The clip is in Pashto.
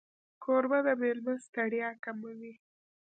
کوربه د مېلمه ستړیا کموي.